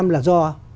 năm tám là do